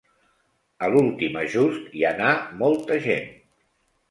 A l'últim ajust, hi anà molta gent.